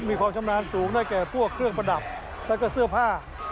มีความชำนาญสูงได้แก่พวกเครื่องประดับแล้วก็เสื้อผ้า